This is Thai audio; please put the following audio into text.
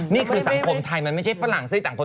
นี่คือสังคมไทยมันไม่ใช่ฝรั่งซื้อต่างคน